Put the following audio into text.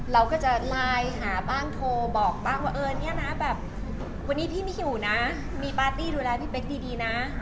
เราก็จะไลน์หาบ้างโทรบอกบ้างว่าเออเนี่ยนะแบบวันนี้พี่ไม่หิวนะมีปาร์ตี้ดูแลพี่เป๊กดีนะ